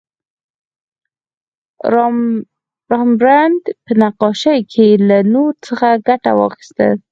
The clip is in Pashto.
رامبراند په نقاشۍ کې له نور څخه ګټه واخیسته.